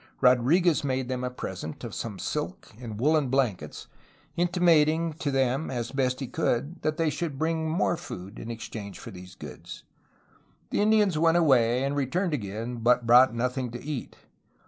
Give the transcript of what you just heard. Rodriguez made them a present of some silk and woolen blankets, intimating to them, as best he could, that they should bring more food in exchange for these goods. The Indians went away and returned again, but brought nothing to eat.